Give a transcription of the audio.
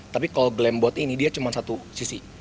tapi kalau glambot ini dia cuma satu sisi